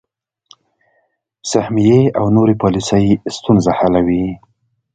سهمیې او نورې پالیسۍ ستونزه حلوي.